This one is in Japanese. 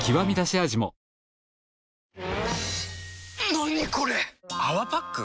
何これ⁉「泡パック」？